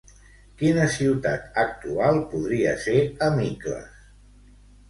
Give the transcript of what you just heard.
Quina ciutat actual podria ser Amicles?